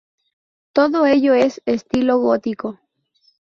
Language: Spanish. Todo ello en estilo gótico.